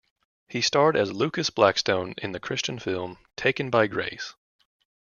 He starred as Lucas Blackstone in the Christian film "Taken by Grace".